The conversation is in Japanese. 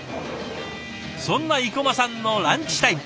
そんな生駒さんのランチタイム。